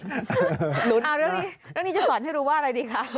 เอาเรื่องนี้เรื่องนี้จะสอนให้รู้ว่าอะไรดีคะ